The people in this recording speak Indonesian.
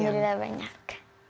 iya ada semakin banyak